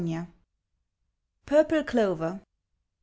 XIV. PURPLE CLOVER.